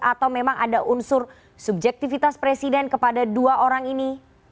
atau memang ada unsur subjektivitas presiden kepada dua orang ini